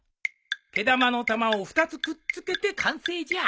毛玉の玉を２つくっつけて完成じゃ。